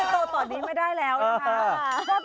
โตตอนนี้ไม่ได้แล้วนะคะ